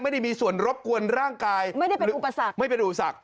ไม่ได้มีส่วนรบกวนร่างกายไม่ได้เป็นอุปสรรคไม่เป็นอุปสรรค